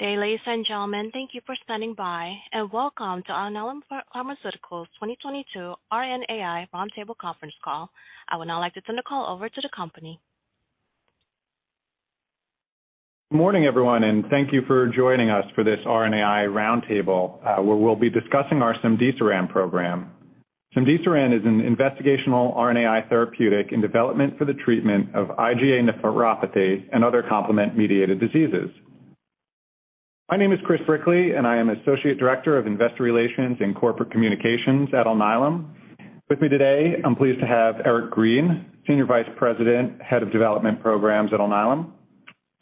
Dear ladies and gentlemen, thank you for standing by, and welcome to Alnylam Pharmaceuticals' 2022 RNAi Roundtable conference call. I would now like to turn the call over to the company. Good morning, everyone, and thank you for joining us for this RNAi roundtable where we'll be discussing our cemdisiran program. Cemdisiran is an investigational RNAi therapeutic in development for the treatment of IgA nephropathy and other complement-mediated diseases. My name is Chris Brickley, and I am Associate Director of Investor Relations and Corporate Communications at Alnylam. With me today, I'm pleased to have Eric Green, Senior Vice President, Head of Development Programs at Alnylam;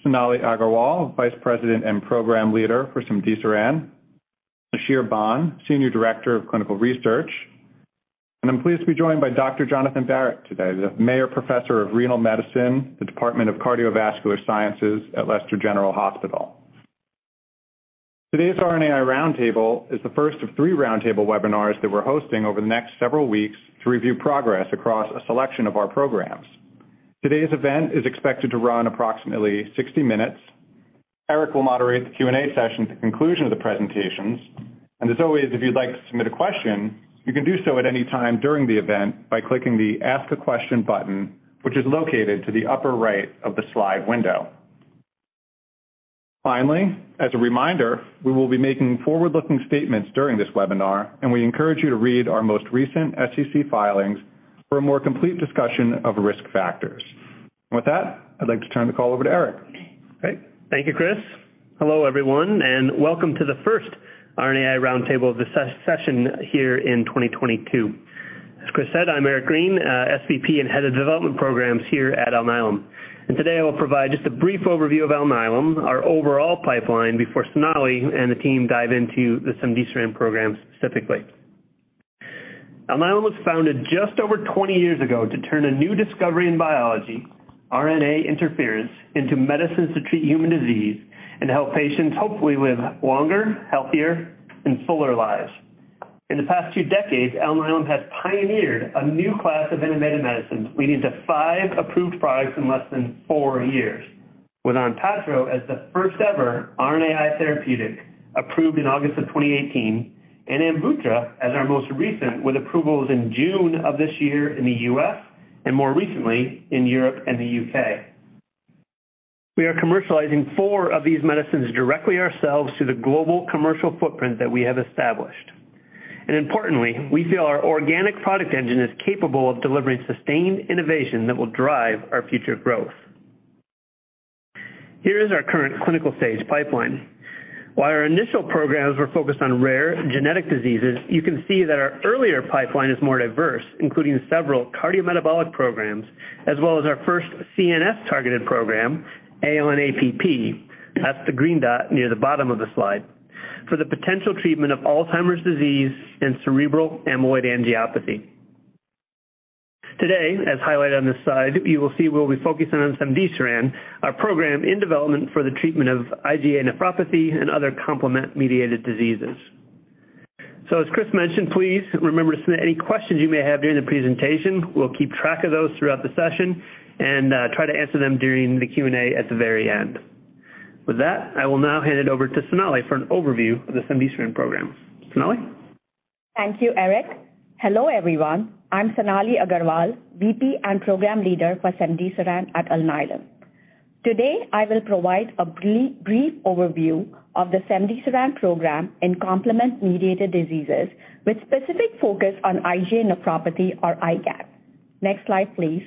Sonalee Agarwal, Vice President and Program Leader for cemdisiran; Ishir Bhan, Senior Director of Clinical Research. And I'm pleased to be joined by Dr. Jonathan Barratt, the Mayer Professor of Renal Medicine, the Department of Cardiovascular Sciences at Leicester General Hospital. Today's RNAi roundtable is the first of three roundtable webinars that we're hosting over the next several weeks to review progress across a selection of our programs. Today's event is expected to run approximately 60 minutes. Eric will moderate the Q&A session at the conclusion of the presentations. And as always, if you'd like to submit a question, you can do so at any time during the event by clicking the Ask a Question button, which is located to the upper right of the slide window. Finally, as a reminder, we will be making forward-looking statements during this webinar, and we encourage you to read our most recent SEC filings for a more complete discussion of risk factors. And with that, I'd like to turn the call over to Eric. Thank you, Chris. Hello, everyone, and welcome to the first RNAi roundtable of the session here in 2022. As Chris said, I'm Eric Green, SVP and Head of Development Programs here at Alnylam, and today, I will provide just a brief overview of Alnylam, our overall pipeline, before Sonalee and the team dive into the cemdisiran program specifically. Alnylam was founded just over 20 years ago to turn a new discovery in biology, RNA interference, into medicines to treat human disease and help patients hopefully live longer, healthier, and fuller lives. In the past two decades, Alnylam has pioneered a new class of innovative medicines, leading to five approved products in less than four years, with ONPATTRO as the first-ever RNAi therapeutic approved in August of 2018, and AMVUTTRA as our most recent, with approvals in June of this year in the U.S. and more recently in Europe and the U.K. We are commercializing four of these medicines directly ourselves to the global commercial footprint that we have established. And importantly, we feel our organic product engine is capable of delivering sustained innovation that will drive our future growth. Here is our current clinical stage pipeline. While our initial programs were focused on rare genetic diseases, you can see that our earlier pipeline is more diverse, including several cardiometabolic programs, as well as our first CNS-targeted program, ALN-APP. That's the green dot near the bottom of the slide, for the potential treatment of Alzheimer's disease and cerebral amyloid angiopathy. Today, as highlighted on this slide, you will see we'll be focusing on cemdisiran, our program in development for the treatment of IgA nephropathy and other complement-mediated diseases. So, as Chris mentioned, please remember to submit any questions you may have during the presentation. We'll keep track of those throughout the session and try to answer them during the Q&A at the very end. With that, I will now hand it over to Sonalee for an overview of the cemdisiran program. Sonalee? Thank you, Eric. Hello, everyone. I'm Sonalee Agarwal, VP and Program Leader for cemdisiran at Alnylam. Today, I will provide a brief overview of the cemdisiran program in complement-mediated diseases with specific focus on IgA nephropathy or IgAN. Next slide, please.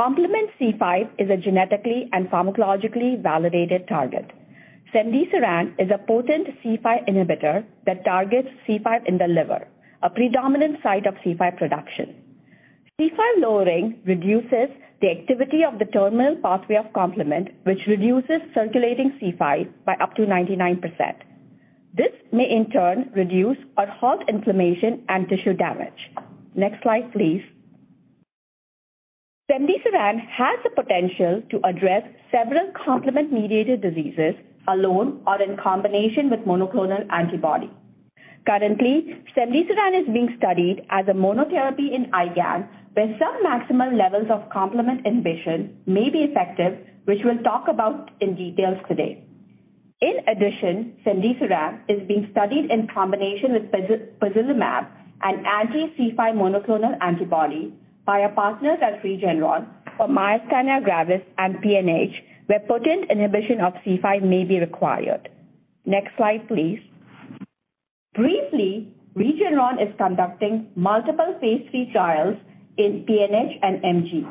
Complement C5 is a genetically and pharmacologically validated target. Cemdisiran is a potent C5 inhibitor that targets C5 in the liver, a predominant site of C5 production. C5 lowering reduces the activity of the terminal pathway of complement, which reduces circulating C5 by up to 99%. This may, in turn, reduce or halt inflammation and tissue damage. Next slide, please. Cemdisiran has the potential to address several complement-mediated diseases alone or in combination with monoclonal antibody. Currently, cemdisiran is being studied as a monotherapy in IgAN, where some maximum levels of complement inhibition may be effective, which we'll talk about in detail today. In addition, cemdisiran is being studied in combination with pozelimab, an anti-C5 monoclonal antibody, by our partners at Regeneron for myasthenia gravis and PNH, where potent inhibition of C5 may be required. Next slide, please. Briefly, Regeneron is conducting multiple phase III trials in PNH and MG.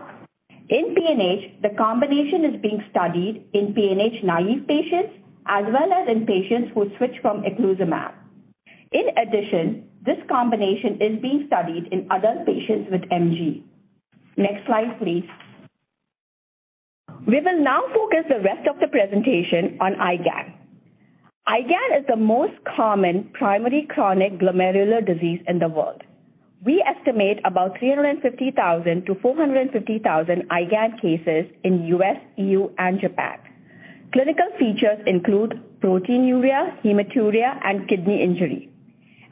In PNH, the combination is being studied in PNH-naive patients as well as in patients who switch from eculizumab. In addition, this combination is being studied in adult patients with MG. Next slide, please. We will now focus the rest of the presentation on IgAN. IgAN is the most common primary chronic glomerular disease in the world. We estimate about 350,000-450,000 IgAN cases in the U.S., EU, and Japan. Clinical features include proteinuria, hematuria, and kidney injury.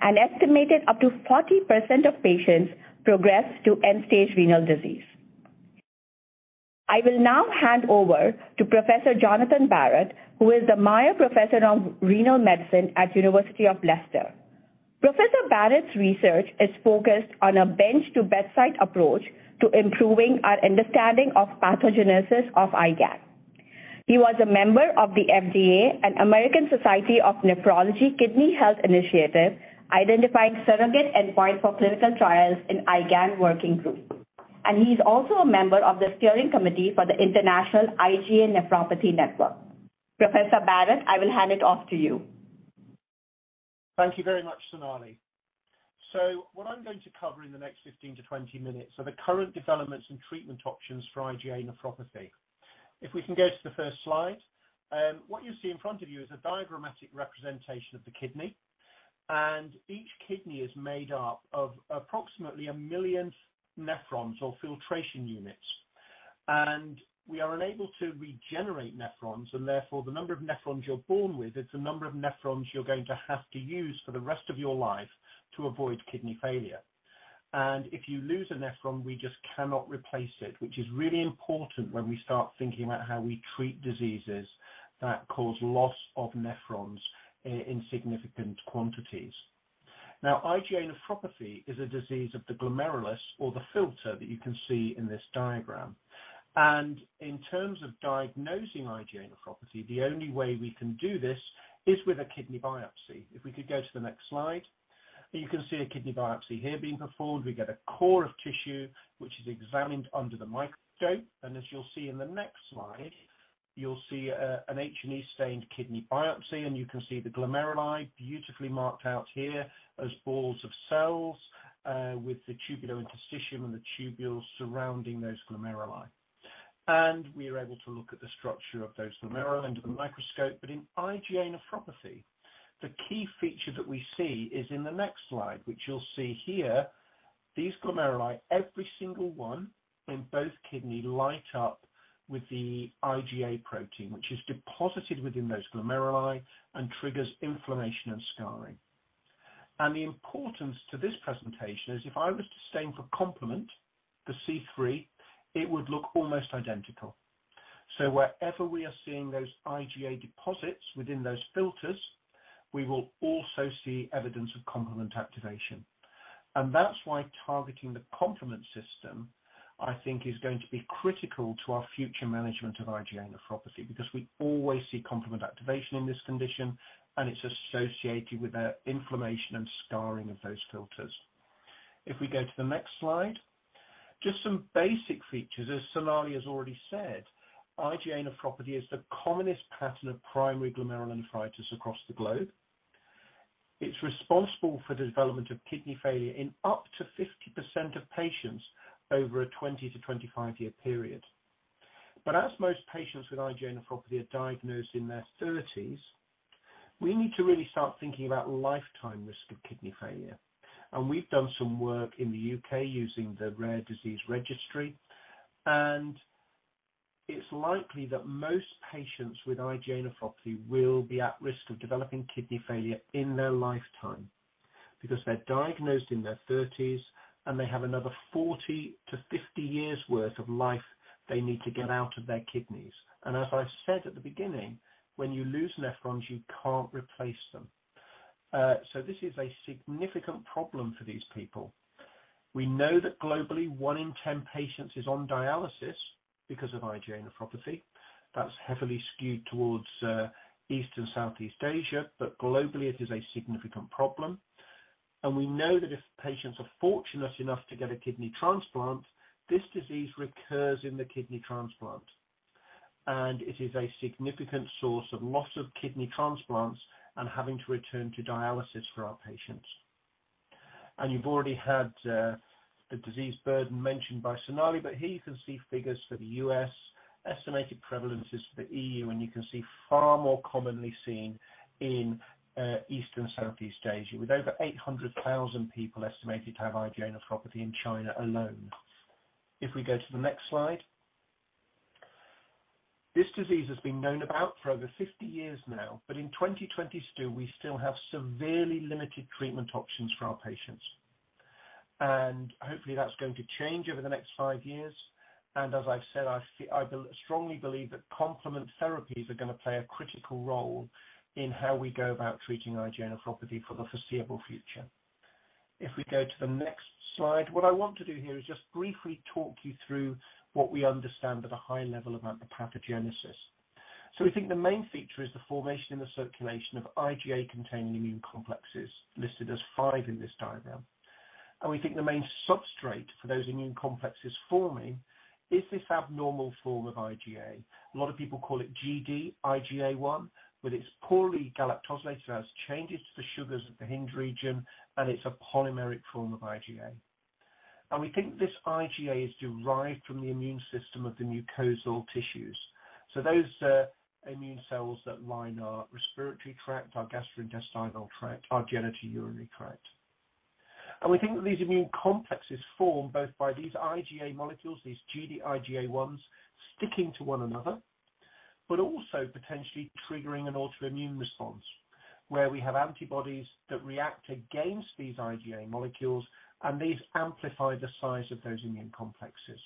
An estimated up to 40% of patients progress to end-stage renal disease. I will now hand over to Professor Jonathan Barratt, who is the Mayer Professor of Renal Medicine at the University of Leicester. Professor Barratt's research is focused on a bench-to-bedside approach to improving our understanding of pathogenesis of IgAN. He was a member of the FDA, an American Society of Nephrology Kidney Health Initiative, Identifying Surrogate Endpoints for Clinical Trials in IgAN Working Group. He's also a member of the steering committee for the International IgA Nephropathy Network. Professor Barratt, I will hand it off to you. Thank you very much, Sonalee, so what I'm going to cover in the next 15-20 minutes are the current developments and treatment options for IgA nephropathy. If we can go to the first slide, what you see in front of you is a diagrammatic representation of the kidney, and each kidney is made up of approximately a million nephrons or filtration units, and we are unable to regenerate nephrons, and therefore the number of nephrons you're born with is the number of nephrons you're going to have to use for the rest of your life to avoid kidney failure, and if you lose a nephron, we just cannot replace it, which is really important when we start thinking about how we treat diseases that cause loss of nephrons in significant quantities. Now, IgA nephropathy is a disease of the glomerulus or the filter that you can see in this diagram, and in terms of diagnosing IgA nephropathy, the only way we can do this is with a kidney biopsy. If we could go to the next slide. You can see a kidney biopsy here being performed. We get a core of tissue, which is examined under the microscope, and as you'll see in the next slide, you'll see an H&E-stained kidney biopsy, and you can see the glomeruli beautifully marked out here as balls of cells with the tubulointerstitium and the tubules surrounding those glomeruli, and we are able to look at the structure of those glomeruli under the microscope, but in IgA nephropathy, the key feature that we see is in the next slide, which you'll see here. These glomeruli, every single one in both kidneys, light up with the IgA protein, which is deposited within those glomeruli and triggers inflammation and scarring. And the importance to this presentation is if I was to stain for complement, the C3, it would look almost identical. So wherever we are seeing those IgA deposits within those filters, we will also see evidence of complement activation. And that's why targeting the complement system, I think, is going to be critical to our future management of IgA nephropathy because we always see complement activation in this condition, and it's associated with the inflammation and scarring of those filters. If we go to the next slide, just some basic features. As Sonalee has already said, IgA nephropathy is the commonest pattern of primary glomerulonephritis across the globe. It's responsible for the development of kidney failure in up to 50% of patients over a 20-25 year period. But as most patients with IgA nephropathy are diagnosed in their 30s, we need to really start thinking about lifetime risk of kidney failure. And we've done some work in the U.K. using the Rare Disease Registry. And it's likely that most patients with IgA nephropathy will be at risk of developing kidney failure in their lifetime because they're diagnosed in their 30s, and they have another 40-50 years' worth of life they need to get out of their kidneys. And as I said at the beginning, when you lose nephrons, you can't replace them. So this is a significant problem for these people. We know that globally, one in 10 patients is on dialysis because of IgA nephropathy. That's heavily skewed towards East and Southeast Asia, but globally, it is a significant problem, and we know that if patients are fortunate enough to get a kidney transplant, this disease recurs in the kidney transplant, and it is a significant source of loss of kidney transplants and having to return to dialysis for our patients, and you've already had the disease burden mentioned by Sonalee, but here you can see figures for the U.S., estimated prevalences for the EU, and you can see far more commonly seen in East and Southeast Asia, with over 800,000 people estimated to have IgA nephropathy in China alone. If we go to the next slide, this disease has been known about for over 50 years now, but in 2022, we still have severely limited treatment options for our patients, and hopefully, that's going to change over the next five years. As I've said, I strongly believe that complement therapies are going to play a critical role in how we go about treating IgA nephropathy for the foreseeable future. If we go to the next slide, what I want to do here is just briefly talk you through what we understand at a high level about the pathogenesis. We think the main feature is the formation in the circulation of IgA-containing immune complexes listed as five in this diagram. And we think the main substrate for those immune complexes forming is this abnormal form of IgA. A lot of people call it Gd-IgA1, but it's poorly galactosylated, so it has changes to the sugars at the hinge region, and it's a polymeric form of IgA. We think this IgA is derived from the immune system of the mucosal tissues, so those immune cells that line our respiratory tract, our gastrointestinal tract, our genitourinary tract. We think that these immune complexes form both by these IgA molecules, these Gd-IgA1s, sticking to one another, but also potentially triggering an autoimmune response where we have antibodies that react against these IgA molecules, and these amplify the size of those immune complexes.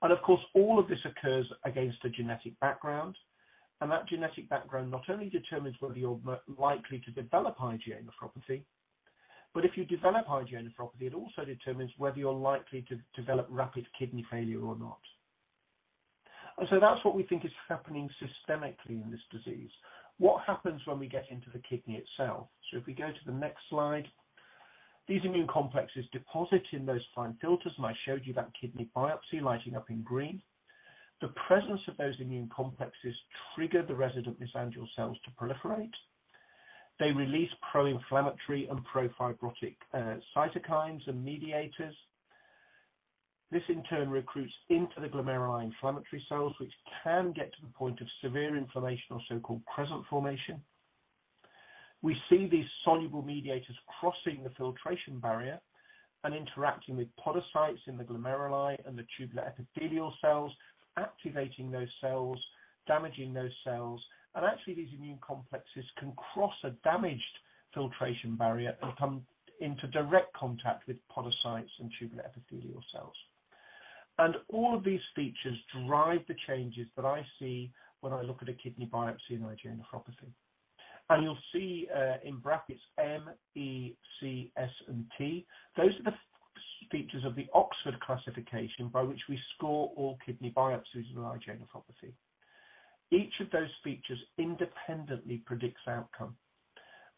Of course, all of this occurs against a genetic background. That genetic background not only determines whether you're likely to develop IgA nephropathy, but if you develop IgA nephropathy, it also determines whether you're likely to develop rapid kidney failure or not. That's what we think is happening systemically in this disease. What happens when we get into the kidney itself? So if we go to the next slide, these immune complexes deposit in those fine filters, and I showed you that kidney biopsy lighting up in green. The presence of those immune complexes triggers the resident mesangial cells to proliferate. They release pro-inflammatory and pro-fibrotic cytokines and mediators. This, in turn, recruits into the glomeruli inflammatory cells, which can get to the point of severe inflammation or so-called crescent formation. We see these soluble mediators crossing the filtration barrier and interacting with podocytes in the glomeruli and the tubular epithelial cells, activating those cells, damaging those cells. And actually, these immune complexes can cross a damaged filtration barrier and come into direct contact with podocytes and tubular epithelial cells. And all of these features drive the changes that I see when I look at a kidney biopsy in IgA nephropathy. And you'll see in brackets M, E, C, S, and T. Those are the features of the Oxford classification by which we score all kidney biopsies in IgA nephropathy. Each of those features independently predicts outcome.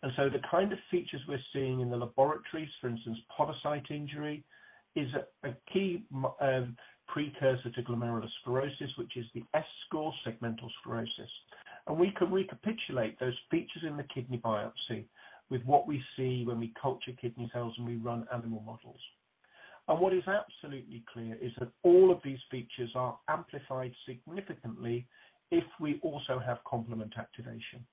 And so the kind of features we're seeing in the laboratories, for instance, podocyte injury, is a key precursor to glomerulosclerosis, which is the S score segmental sclerosis. And we can recapitulate those features in the kidney biopsy with what we see when we culture kidney cells and we run animal models. And what is absolutely clear is that all of these features are amplified significantly if we also have complement activation.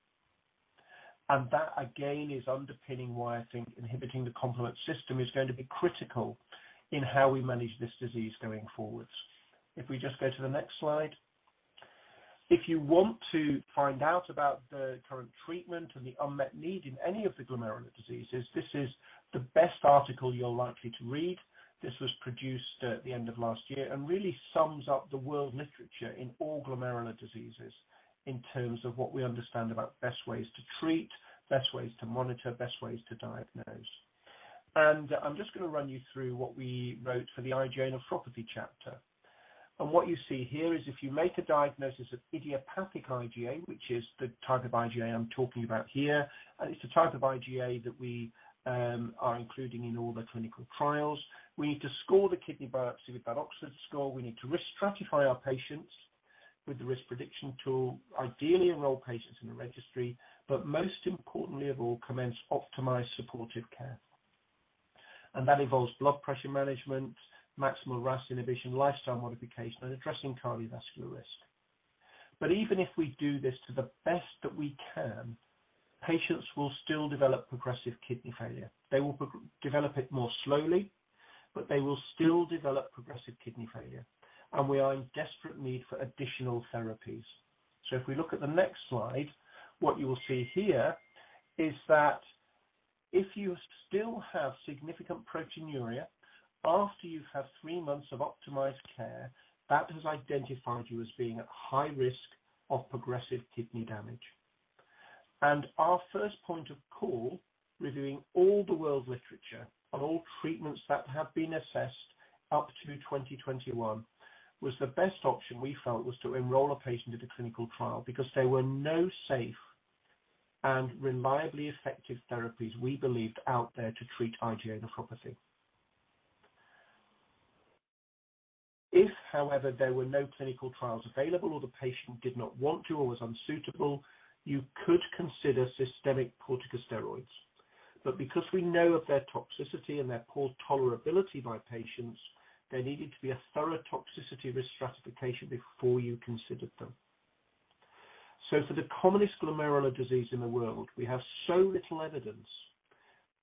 And that, again, is underpinning why I think inhibiting the complement system is going to be critical in how we manage this disease going forwards. If we just go to the next slide, if you want to find out about the current treatment and the unmet need in any of the glomerular diseases, this is the best article you're likely to read. This was produced at the end of last year and really sums up the world literature in all glomerular diseases in terms of what we understand about best ways to treat, best ways to monitor, best ways to diagnose. And I'm just going to run you through what we wrote for the IgA nephropathy chapter. And what you see here is if you make a diagnosis of idiopathic IgA, which is the type of IgA I'm talking about here, and it's the type of IgA that we are including in all the clinical trials, we need to score the kidney biopsy with that Oxford score. We need to risk stratify our patients with the risk prediction tool, ideally enroll patients in a registry, but most importantly of all, commence optimized supportive care. And that involves blood pressure management, maximal RAS inhibition, lifestyle modification, and addressing cardiovascular risk. But even if we do this to the best that we can, patients will still develop progressive kidney failure. They will develop it more slowly, but they will still develop progressive kidney failure. And we are in desperate need for additional therapies. So if we look at the next slide, what you will see here is that if you still have significant proteinuria, after you've had three months of optimized care, that has identified you as being at high risk of progressive kidney damage. Our first point of call, reviewing all the world literature on all treatments that have been assessed up to 2021, was the best option we felt was to enroll a patient in a clinical trial because there were no safe and reliably effective therapies, we believed, out there to treat IgA nephropathy. If, however, there were no clinical trials available or the patient did not want to or was unsuitable, you could consider systemic corticosteroids. Because we know of their toxicity and their poor tolerability by patients, there needed to be a thorough toxicity risk stratification before you considered them. For the commonest glomerular disease in the world, we have so little evidence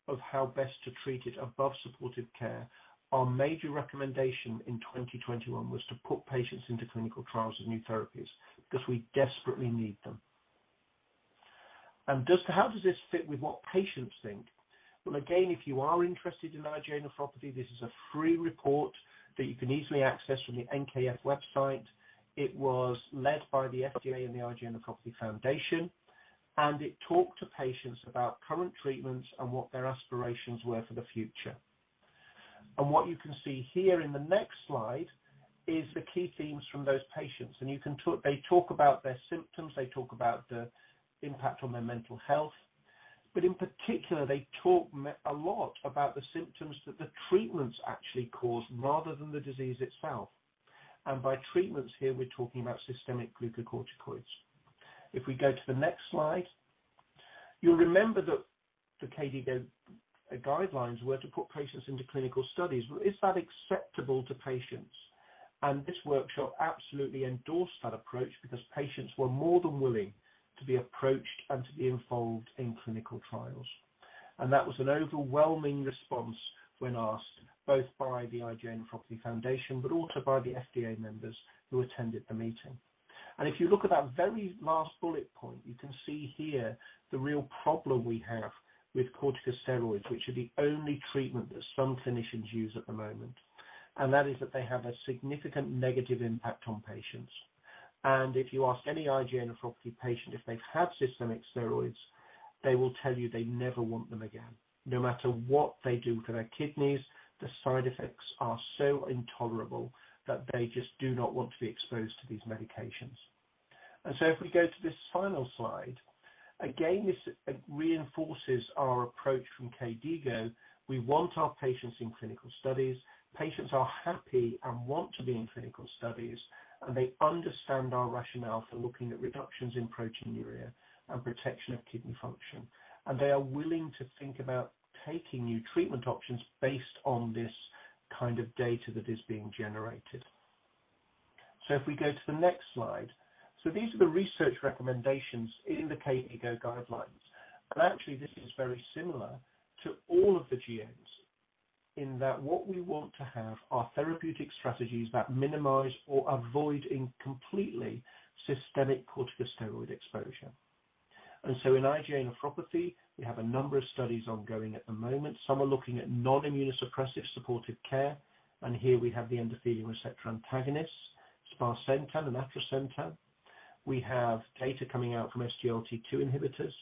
of how best to treat it above supportive care, our major recommendation in 2021 was to put patients into clinical trials of new therapies because we desperately need them. How does this fit with what patients think? Again, if you are interested in IgA nephropathy, this is a free report that you can easily access from the NKF website. It was led by the FDA and the IgA Nephropathy Foundation. It talked to patients about current treatments and what their aspirations were for the future. What you can see here in the next slide is the key themes from those patients. They talk about their symptoms. They talk about the impact on their mental health. In particular, they talk a lot about the symptoms that the treatments actually cause rather than the disease itself. By treatments here, we're talking about systemic glucocorticoids. If we go to the next slide, you'll remember that the KDIGO guidelines were to put patients into clinical studies. Is that acceptable to patients? And this workshop absolutely endorsed that approach because patients were more than willing to be approached and to be involved in clinical trials. And that was an overwhelming response when asked, both by the IgA Nephropathy Foundation but also by the FDA members who attended the meeting. And if you look at that very last bullet point, you can see here the real problem we have with corticosteroids, which are the only treatment that some clinicians use at the moment. And that is that they have a significant negative impact on patients. And if you ask any IgA nephropathy patient if they've had systemic steroids, they will tell you they never want them again. No matter what they do to their kidneys, the side effects are so intolerable that they just do not want to be exposed to these medications. And so if we go to this final slide, again, this reinforces our approach from KDIGO. We want our patients in clinical studies. Patients are happy and want to be in clinical studies, and they understand our rationale for looking at reductions in proteinuria and protection of kidney function. And they are willing to think about taking new treatment options based on this kind of data that is being generated. So if we go to the next slide, so these are the research recommendations in the KDIGO guidelines. And actually, this is very similar to all of the CNS in that what we want to have are therapeutic strategies that minimize or avoid completely systemic corticosteroid exposure. And so in IgA nephropathy, we have a number of studies ongoing at the moment. Some are looking at non-immunosuppressive supportive care. And here we have the endothelin receptor antagonists, sparsentan and atrasentan. We have data coming out from SGLT2 inhibitors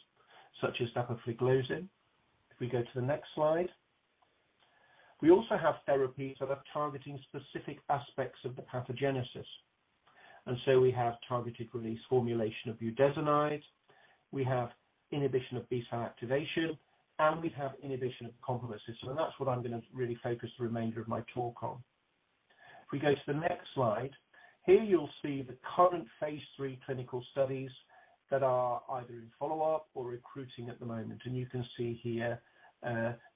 such as dapagliflozin. If we go to the next slide, we also have therapies that are targeting specific aspects of the pathogenesis. And so we have targeted release formulation of budesonide. We have inhibition of B-cell activation, and we have inhibition of complement system. And that's what I'm going to really focus the remainder of my talk on. If we go to the next slide, here you'll see the current phase III clinical studies that are either in follow-up or recruiting at the moment. And you can see here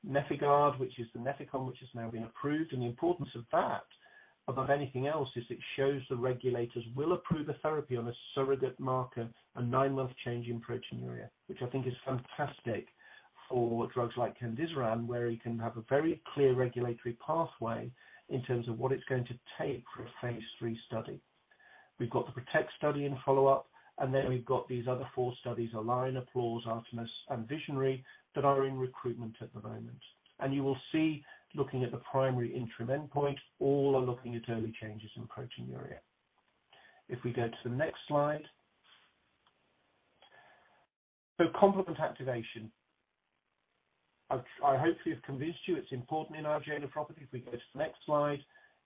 NEFECON, which is the NEFECON, which has now been approved. The importance of that, above anything else, is it shows the regulators will approve a therapy on a surrogate marker, a nine-month change in proteinuria, which I think is fantastic for drugs like cemdisiran, where you can have a very clear regulatory pathway in terms of what it's going to take for a phase III study. We've got the PROTECT study in follow-up, and then we've got these other four studies, ALIGN, APPLAUSE, ARTEMIS, and VISIONARY, that are in recruitment at the moment. You will see, looking at the primary interim endpoint, all are looking at early changes in proteinuria. If we go to the next slide, so complement activation, I hopefully have convinced you it's important in IgA nephropathy. If we go to the next slide,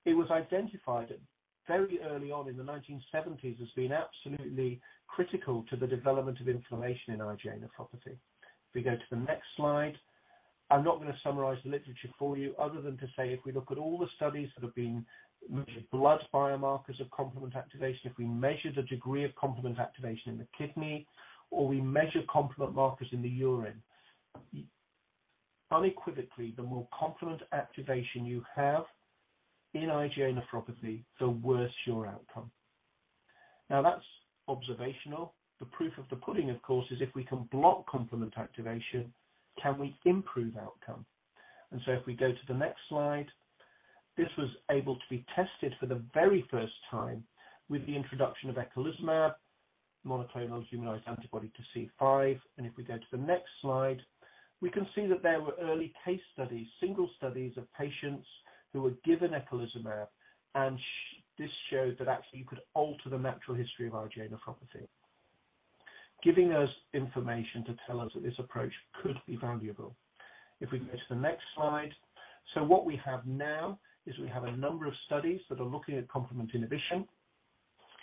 it was identified very early on in the 1970s as being absolutely critical to the development of inflammation in IgA nephropathy. If we go to the next slide, I'm not going to summarize the literature for you other than to say if we look at all the studies that have been measured, blood biomarkers of complement activation, if we measure the degree of complement activation in the kidney, or we measure complement markers in the urine, unequivocally, the more complement activation you have in IgA nephropathy, the worse your outcome. Now, that's observational. The proof of the pudding, of course, is if we can block complement activation, can we improve outcome? And so if we go to the next slide, this was able to be tested for the very first time with the introduction of eculizumab, monoclonal humanized antibody to C5. If we go to the next slide, we can see that there were early case studies, single studies of patients who were given eculizumab, and this showed that actually you could alter the natural history of IgA nephropathy, giving us information to tell us that this approach could be valuable. If we go to the next slide, so what we have now is we have a number of studies that are looking at complement inhibition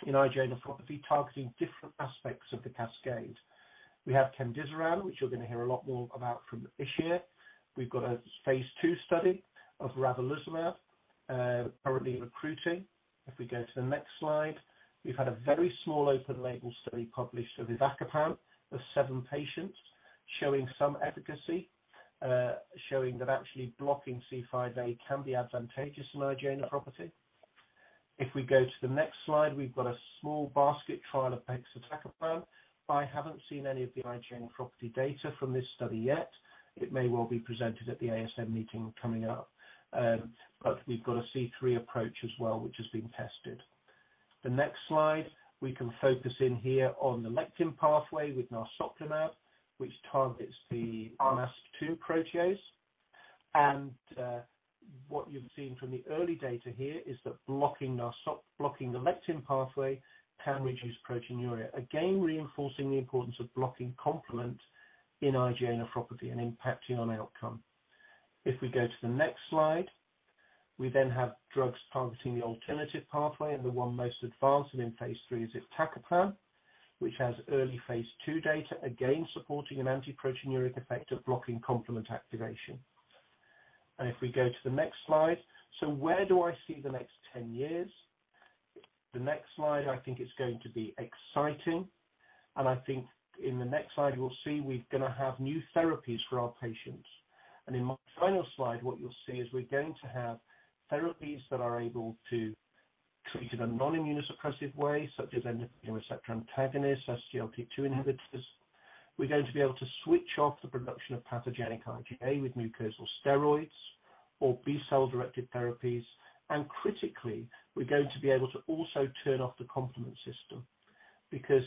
in IgA nephropathy, targeting different aspects of the cascade. We have cemdisiran, which you're going to hear a lot more about from Ishir. We've got a phase II study of ravulizumab, currently recruiting. If we go to the next slide, we've had a very small open-label study published of avacopan of seven patients showing some efficacy, showing that actually blocking C5a can be advantageous in IgA nephropathy. If we go to the next slide, we've got a small basket trial of pegcetacoplan. I haven't seen any of the IgA nephropathy data from this study yet. It may well be presented at the ASN meeting coming up. But we've got a C3 approach as well, which has been tested. The next slide, we can focus in here on the lectin pathway with narsoplimab, which targets the MASP-2 protease. And what you've seen from the early data here is that blocking the lectin pathway can reduce proteinuria, again reinforcing the importance of blocking complement in IgA nephropathy and impacting on outcome. If we go to the next slide, we then have drugs targeting the alternative pathway, and the one most advanced and in phase III is iptacopan, which has early phase II data, again supporting an antiproteinuric effect of blocking complement activation. If we go to the next slide, so where do I see the next 10 years? The next slide, I think it's going to be exciting. I think in the next slide, you'll see we're going to have new therapies for our patients. In my final slide, what you'll see is we're going to have therapies that are able to treat in a non-immunosuppressive way, such as endothelin receptor antagonists, SGLT2 inhibitors. We're going to be able to switch off the production of pathogenic IgA with mucosal steroids or B-cell-directed therapies. Critically, we're going to be able to also turn off the complement system because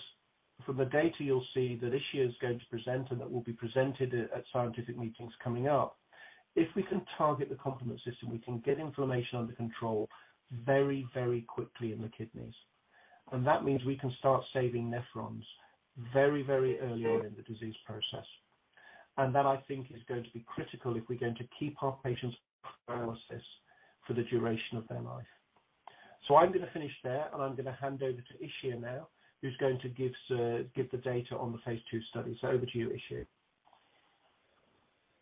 from the data, you'll see that Ishir is going to present, and that will be presented at scientific meetings coming up. If we can target the complement system, we can get inflammation under control very, very quickly in the kidneys. And that means we can start saving nephrons very, very early on in the disease process. And that, I think, is going to be critical if we're going to keep our patients' dialysis for the duration of their life. So I'm going to finish there, and I'm going to hand over to Ishir now, who's going to give the data on the phase II studies. So over to you, Ishir.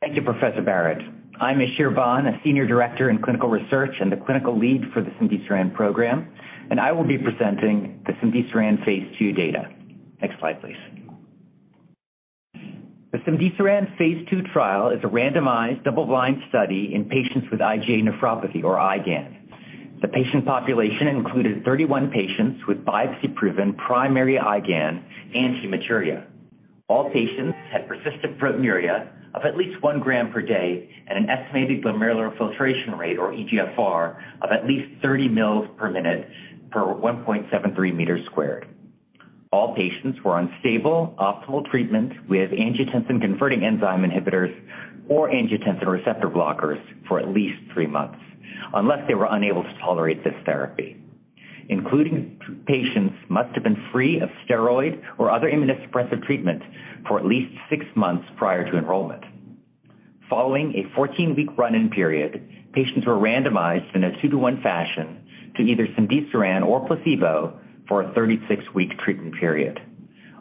Thank you, Professor Barratt. I'm Ishir Bhan, a Senior Director in clinical research and the clinical lead for the cemdisiran program, and I will be presenting the cemdisiran phase II data. Next slide, please. The cemdisiran phase II trial is a randomized double-blind study in patients with IgA nephropathy or IgAN. The patient population included 31 patients with biopsy-proven primary IgAN. All patients had persistent proteinuria of at least 1 g/day and an estimated glomerular filtration rate or eGFR of at least 30 mL/min/1.73 m². All patients were on stable optimal treatment with angiotensin-converting enzyme inhibitors or angiotensin receptor blockers for at least three months, unless they were unable to tolerate this therapy. Including patients must have been free of steroid or other immunosuppressive treatment for at least six months prior to enrollment. Following a 14-week run-in period, patients were randomized in a 2:1 fashion to either cemdisiran or placebo for a 36-week treatment period.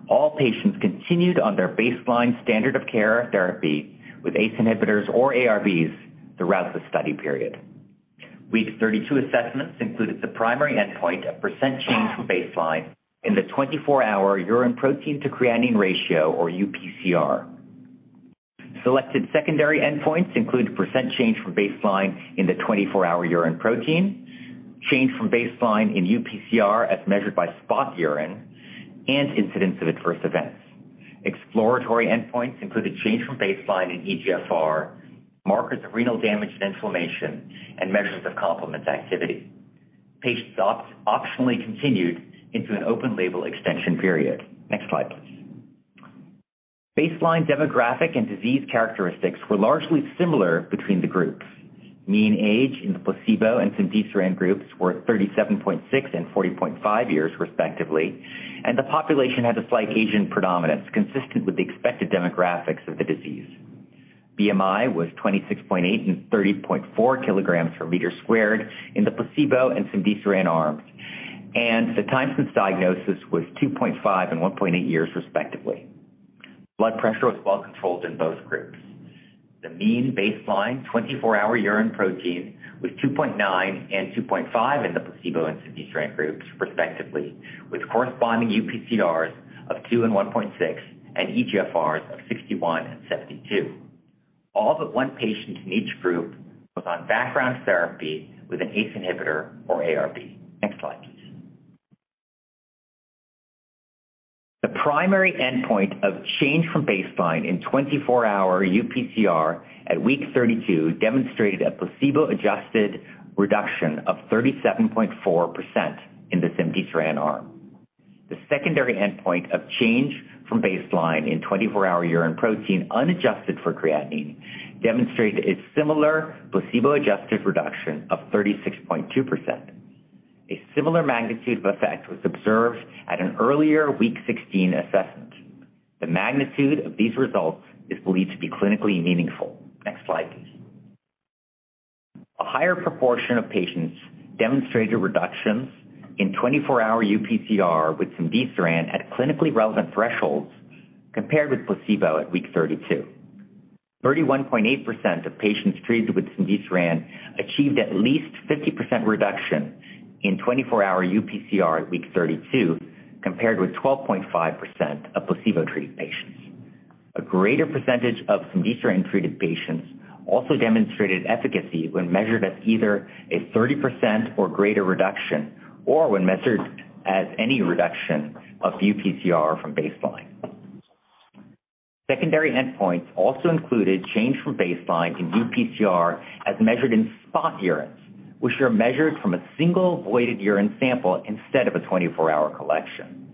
All patients continued on their baseline standard of care therapy with ACE inhibitors or ARBs throughout the study period. Week 32 assessments included the primary endpoint of % change from baseline in the 24-hour urine protein-to-creatinine ratio or UPCR. Selected secondary endpoints included % change from baseline in the 24-hour urine protein, change from baseline in UPCR as measured by spot urine, and incidence of adverse events. Exploratory endpoints included change from baseline in eGFR, markers of renal damage and inflammation, and measures of complement activity. Patients optionally continued into an open-label extension period. Next slide, please. Baseline demographic and disease characteristics were largely similar between the groups. Mean age in the placebo and cemdisiran groups were 37.6 and 40.5 years, respectively. The population had a slight Asian predominance, consistent with the expected demographics of the disease. BMI was 26.8 and 30.4 kg/m² in the placebo and cemdisiran arms. The time since diagnosis was 2.5 and 1.8 years, respectively. Blood pressure was well controlled in both groups. The mean baseline 24-hour urine protein was 2.9 and 2.5 in the placebo and cemdisiran groups, respectively, with corresponding UPCRs of 2 and 1.6 and eGFRs of 61 and 72. All but one patient in each group was on background therapy with an ACE inhibitor or ARB. Next slide, please. The primary endpoint of change from baseline in 24-hour UPCR at week 32 demonstrated a placebo-adjusted reduction of 37.4% in the cemdisiran arm. The secondary endpoint of change from baseline in 24-hour urine protein unadjusted for creatinine demonstrated a similar placebo-adjusted reduction of 36.2%. A similar magnitude of effect was observed at an earlier week 16 assessment. The magnitude of these results is believed to be clinically meaningful. Next slide, please. A higher proportion of patients demonstrated reductions in 24-hour UPCR with cemdisiran at clinically relevant thresholds compared with placebo at week 32. 31.8% of patients treated with cemdisiran achieved at least 50% reduction in 24-hour UPCR at week 32, compared with 12.5% of placebo-treated patients. A greater percentage of cemdisiran-treated patients also demonstrated efficacy when measured as either a 30% or greater reduction or when measured as any reduction of UPCR from baseline. Secondary endpoints also included change from baseline in UPCR as measured in spot urines, which were measured from a single voided urine sample instead of a 24-hour collection.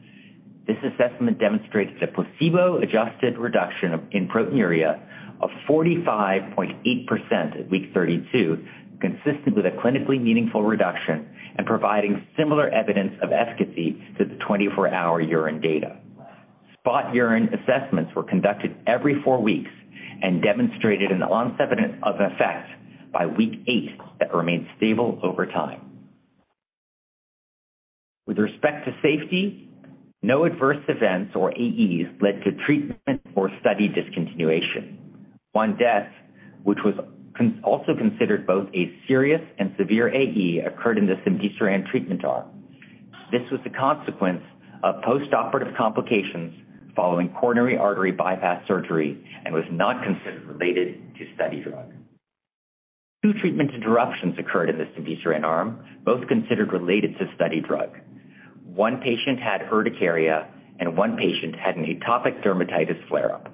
This assessment demonstrated a placebo-adjusted reduction in proteinuria of 45.8% at week 32, consistent with a clinically meaningful reduction and providing similar evidence of efficacy to the 24-hour urine data. Spot urine assessments were conducted every four weeks and demonstrated an onset of effect by week eight that remained stable over time. With respect to safety, no adverse events or AEs led to treatment or study discontinuation. One death, which was also considered both a serious and severe AE, occurred in the cemdisiran treatment arm. This was a consequence of postoperative complications following coronary artery bypass surgery and was not considered related to study drug. Two treatment interruptions occurred in the cemdisiran arm, both considered related to study drug. One patient had urticaria, and one patient had an atopic dermatitis flare-up.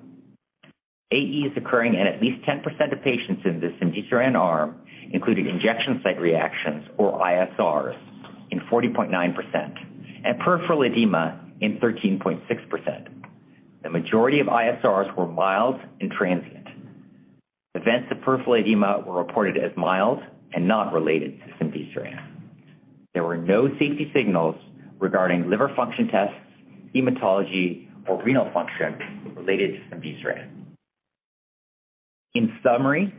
AEs occurring in at least 10% of patients in the cemdisiran arm included injection site reactions or ISRs in 40.9% and peripheral edema in 13.6%. The majority of ISRs were mild and transient. Events of peripheral edema were reported as mild and not related to cemdisiran. There were no safety signals regarding liver function tests, hematology, or renal function related to cemdisiran. In summary,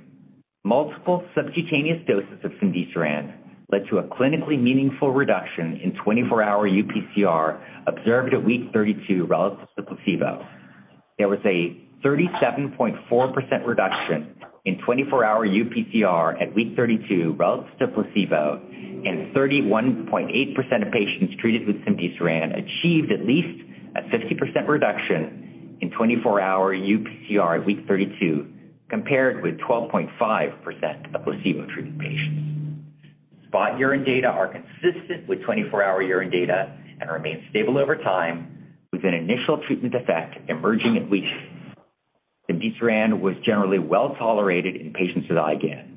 multiple subcutaneous doses of cemdisiran led to a clinically meaningful reduction in 24-hour UPCR observed at week 32 relative to placebo. There was a 37.4% reduction in 24-hour UPCR at week 32 relative to placebo, and 31.8% of patients treated with cemdisiran achieved at least a 50% reduction in 24-hour UPCR at week 32, compared with 12.5% of placebo-treated patients. Spot urine data are consistent with 24-hour urine data and remain stable over time with an initial treatment effect emerging at weeks. Cemdisiran was generally well tolerated in patients with IgAN.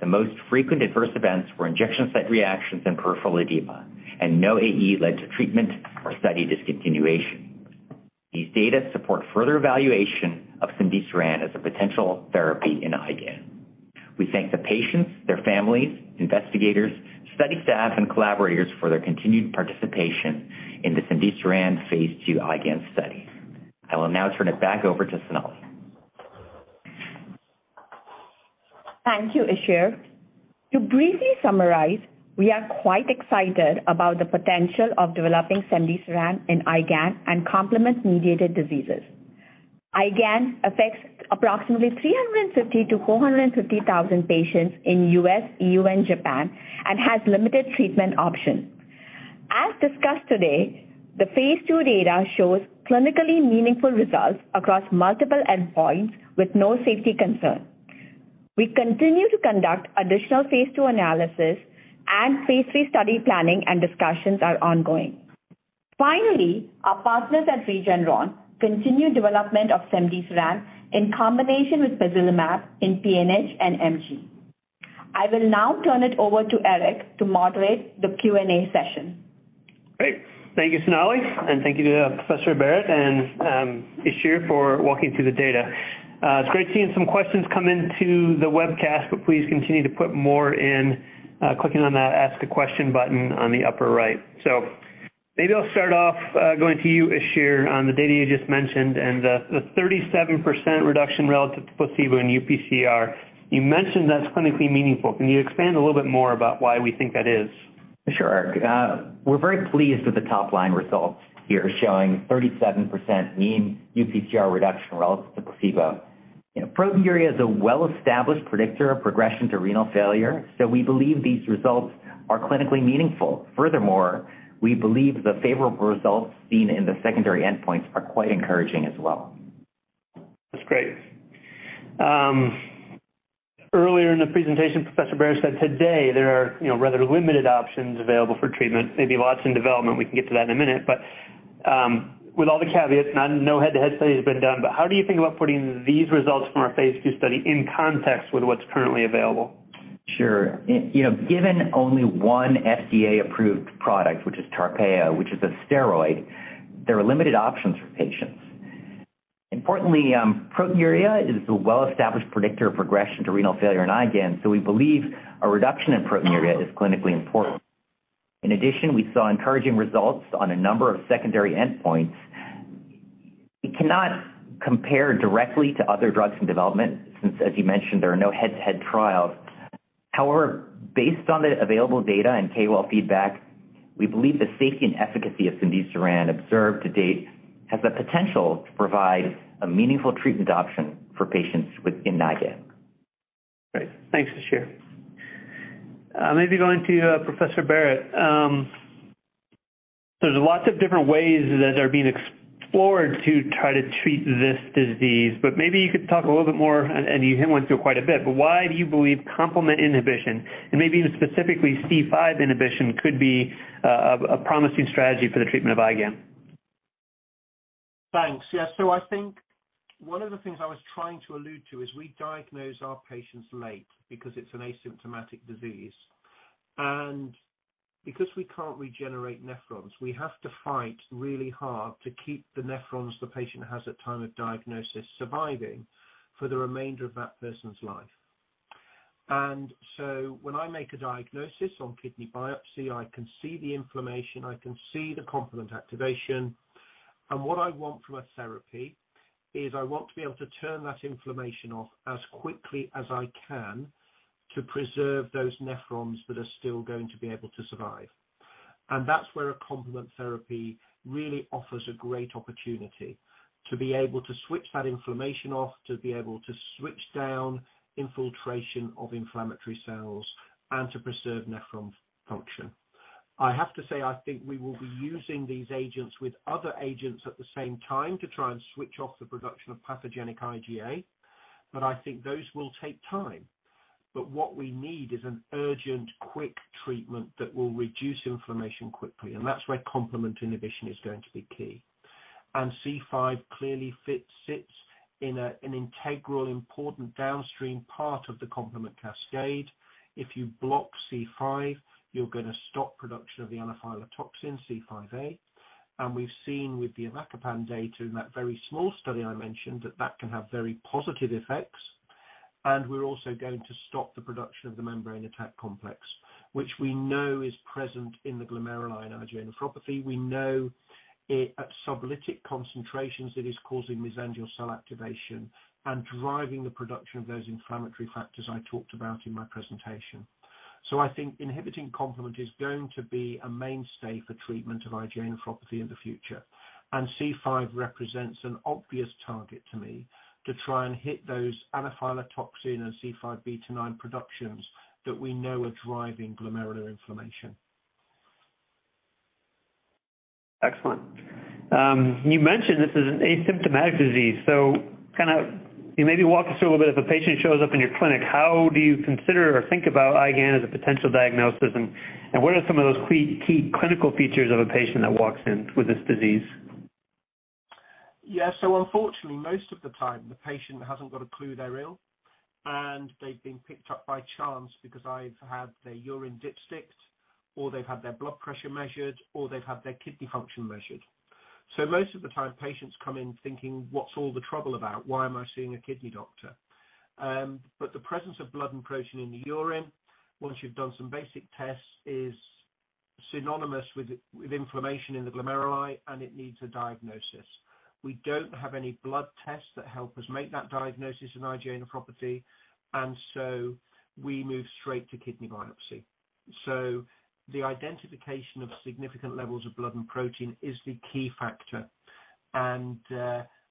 The most frequent adverse events were injection site reactions and peripheral edema, and no AE led to treatment or study discontinuation. These data support further evaluation of cemdisiran as a potential therapy in IgAN. We thank the patients, their families, investigators, study staff, and collaborators for their continued participation in the cemdisiran phase II IgAN study. I will now turn it back over to Sonalee. Thank you, Ishir. To briefly summarize, we are quite excited about the potential of developing cemdisiran in IgAN and complement-mediated diseases. IgAN affects approximately 350,000-450,000 patients in the U.S., EU, and Japan and has limited treatment options. As discussed today, the phase II data shows clinically meaningful results across multiple endpoints with no safety concern. We continue to conduct additional phase II analysis, and phase III study planning and discussions are ongoing. Finally, our partners at Regeneron continue development of cemdisiran in combination with pozelimab in PNH and MG. I will now turn it over to Eric to moderate the Q&A session. Great. Thank you, Sonalee. And thank you to Professor Barratt and Ishir for walking through the data. It's great seeing some questions come into the webcast, but please continue to put more in clicking on that Ask a Question button on the upper right. So maybe I'll start off going to you, Ishir, on the data you just mentioned and the 37% reduction relative to placebo in UPCR. You mentioned that's clinically meaningful. Can you expand a little bit more about why we think that is? Sure. We're very pleased with the top-line results here showing 37% mean UPCR reduction relative to placebo. Proteinuria is a well-established predictor of progression to renal failure, so we believe these results are clinically meaningful. Furthermore, we believe the favorable results seen in the secondary endpoints are quite encouraging as well. That's great. Earlier in the presentation, Professor Barratt said today there are rather limited options available for treatment. Maybe lots in development. We can get to that in a minute. But with all the caveats, no head-to-head study has been done. But how do you think about putting these results from our phase II study in context with what's currently available? Sure. Given only one FDA-approved product, which is TARPEYA, which is a steroid, there are limited options for patients. Importantly, proteinuria is a well-established predictor of progression to renal failure in IgAN, so we believe a reduction in proteinuria is clinically important. In addition, we saw encouraging results on a number of secondary endpoints. We cannot compare directly to other drugs in development since, as you mentioned, there are no head-to-head trials. However, based on the available data and KOL feedback, we believe the safety and efficacy of cemdisiran observed to date has the potential to provide a meaningful treatment option for patients within IgAN. Great. Thanks, Ishir. Maybe going to Professor Barratt. There's lots of different ways that are being explored to try to treat this disease. But maybe you could talk a little bit more, and you went through quite a bit. But why do you believe complement inhibition, and maybe even specifically C5 inhibition, could be a promising strategy for the treatment of IgAN? Thanks. Yeah. So I think one of the things I was trying to allude to is we diagnose our patients late because it's an asymptomatic disease. And because we can't regenerate nephrons, we have to fight really hard to keep the nephrons the patient has at the time of diagnosis surviving for the remainder of that person's life. And so when I make a diagnosis on kidney biopsy, I can see the inflammation. I can see the complement activation. And what I want from a therapy is I want to be able to turn that inflammation off as quickly as I can to preserve those nephrons that are still going to be able to survive. And that's where a complement therapy really offers a great opportunity to be able to switch that inflammation off, to be able to switch down infiltration of inflammatory cells, and to preserve nephron function. I have to say I think we will be using these agents with other agents at the same time to try and switch off the production of pathogenic IgA. But I think those will take time. What we need is an urgent, quick treatment that will reduce inflammation quickly. That's where complement inhibition is going to be key. C5 clearly sits in an integral, important downstream part of the complement cascade. If you block C5, you're going to stop production of the anaphylatoxin C5a. We've seen with the avacopan data in that very small study I mentioned that that can have very positive effects. We're also going to stop the production of the membrane attack complex, which we know is present in the glomeruli and IgA nephropathy. We know at sublytic concentrations it is causing mesangial cell activation and driving the production of those inflammatory factors I talked about in my presentation. So I think inhibiting complement is going to be a mainstay for treatment of IgA nephropathy in the future, and C5 represents an obvious target to me to try and hit those anaphylatoxin and C5b-9 productions that we know are driving glomerular inflammation. Excellent. You mentioned this is an asymptomatic disease. So kind of maybe walk us through a little bit of a patient shows up in your clinic. How do you consider or think about IgAN as a potential diagnosis? And what are some of those key clinical features of a patient that walks in with this disease? Yeah. So unfortunately, most of the time, the patient hasn't got a clue they're ill. And they've been picked up by chance because I've had their urine dipsticked, or they've had their blood pressure measured, or they've had their kidney function measured. So most of the time, patients come in thinking, "What's all the trouble about? Why am I seeing a kidney doctor?" But the presence of blood and protein in the urine, once you've done some basic tests, is synonymous with inflammation in the glomeruli, and it needs a diagnosis. We don't have any blood tests that help us make that diagnosis in IgA nephropathy, and so we move straight to kidney biopsy. So the identification of significant levels of blood and protein is the key factor. And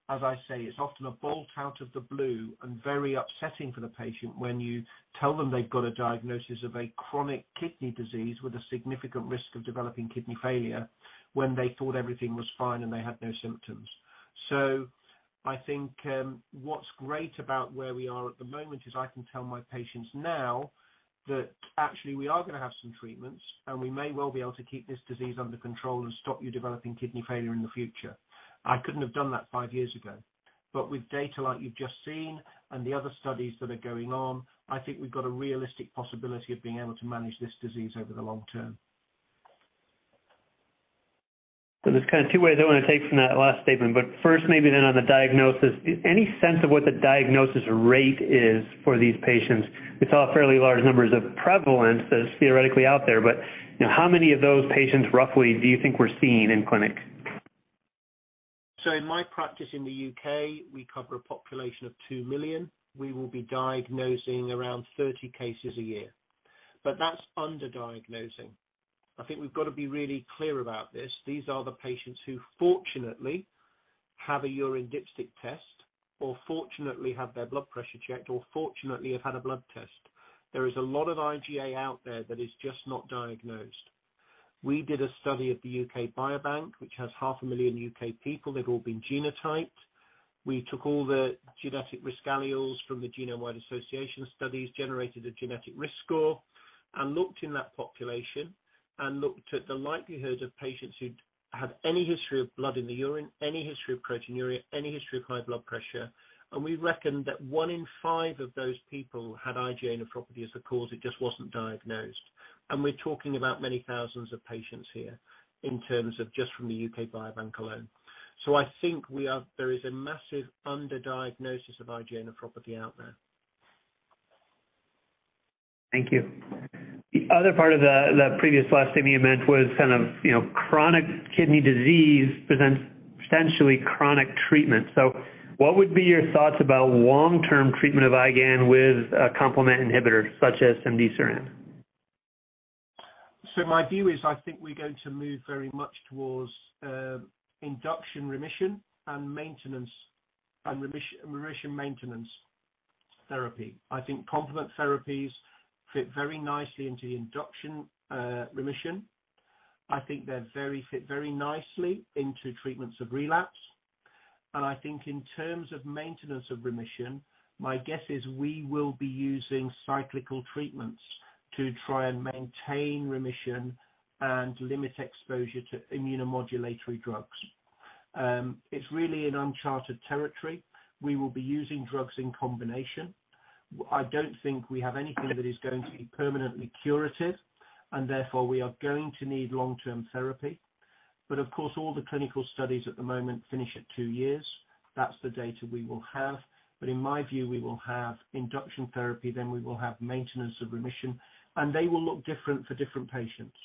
as I say, it's often a bolt out of the blue and very upsetting for the patient when you tell them they've got a diagnosis of a chronic kidney disease with a significant risk of developing kidney failure when they thought everything was fine and they had no symptoms. So I think what's great about where we are at the moment is I can tell my patients now that actually we are going to have some treatments, and we may well be able to keep this disease under control and stop you developing kidney failure in the future. I couldn't have done that five years ago. But with data like you've just seen and the other studies that are going on, I think we've got a realistic possibility of being able to manage this disease over the long term. So there's kind of two ways I want to take from that last statement. But first, maybe then on the diagnosis, any sense of what the diagnosis rate is for these patients? We saw fairly large numbers of prevalence that is theoretically out there. But how many of those patients roughly do you think we're seeing in clinic? In my practice in the U.K., we cover a population of 2 million. We will be diagnosing around 30 cases a year. But that's underdiagnosing. I think we've got to be really clear about this. These are the patients who fortunately have a urine dipstick test, or fortunately have their blood pressure checked, or fortunately have had a blood test. There is a lot of IgA out there that is just not diagnosed. We did a study of the U.K. Biobank, which has 500,000 U.K. people. They've all been genotyped. We took all the genetic risk alleles from the Genome-Wide Association Studies, generated a genetic risk score, and looked in that population and looked at the likelihood of patients who have any history of blood in the urine, any history of proteinuria, any history of high blood pressure. We reckoned that one in five of those people had IgA nephropathy as the cause. It just wasn't diagnosed. We're talking about many thousands of patients here in terms of just from the U.K. Biobank alone. I think there is a massive underdiagnosis of IgA nephropathy out there. Thank you. The other part of the previous last statement you mentioned was kind of chronic kidney disease presents potentially chronic treatment. So what would be your thoughts about long-term treatment of IgAN with a complement inhibitor such as cemdisiran? My view is I think we're going to move very much towards induction remission and maintenance and remission maintenance therapy. I think complement therapies fit very nicely into induction remission. I think they fit very nicely into treatments of relapse. I think in terms of maintenance of remission, my guess is we will be using cyclical treatments to try and maintain remission and limit exposure to immunomodulatory drugs. It's really in uncharted territory. We will be using drugs in combination. I don't think we have anything that is going to be permanently curative, and therefore we are going to need long-term therapy. Of course, all the clinical studies at the moment finish at two years. That's the data we will have. In my view, we will have induction therapy. Then we will have maintenance of remission. They will look different for different patients.